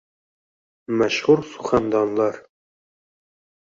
Mashhur suxandonlar